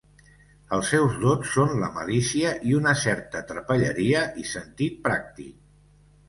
Els seus dots són la malícia i una certa trapelleria i sentit pràctic.